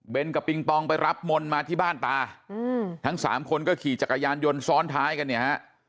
เป็นกับปิงปองไปรับมนต์มาที่บ้านตาทั้งสามคนก็ขี่จักรยานยนต์ซ้อนท้ายกันเนี่ยฮะ